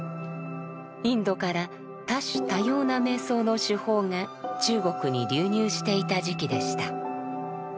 インドから多種多様な瞑想の手法が中国に流入していた時期でした。